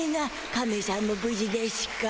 カメしゃんもぶじでしゅか？